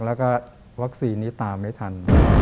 และวัคซีนนี่ตัวไม่ทัน